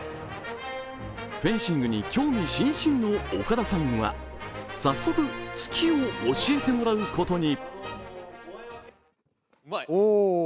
フェンシングに興味津々の岡田さんは早速突きを教えてもらうことに。